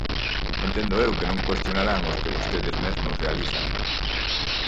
Entendo eu que non cuestionarán os que vostedes mesmos realizan.